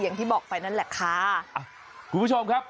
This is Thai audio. อย่างที่บอกไปนั่นลีค่ะ